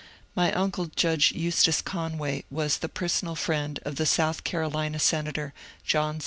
My uncle Judge Eustace Conway was the personal friend of the South Carolina senator, John C.